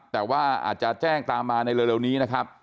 แต่ว่าอาจจะแจ้งตามมาในเร็วนี้นะครับ